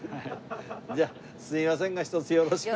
じゃあすいませんがひとつよろしく。